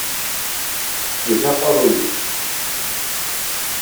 Sellek aqeṛṛuy-ik!